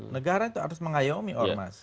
negara itu harus mengayomi ormas